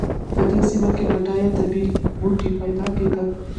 په دې سیمه کې بډایه طبیعي بوټي پیدا کېدل.